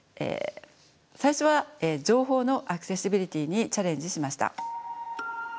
最初は情報のアクセシビリティーにチャレンジしました。